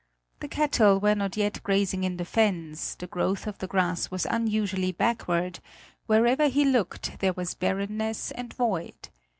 The cattle were not yet grazing in the fens, the growth of the grass was unusually backward; wherever he looked there was barrenness and void.